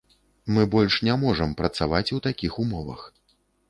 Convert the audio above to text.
Мы больш не можам працаваць у такіх умовах!